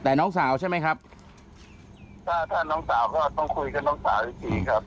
แต่น้องสาวใช่ไหมครับถ้าถ้าน้องสาวก็ต้องคุยกับน้องสาวอีกทีครับ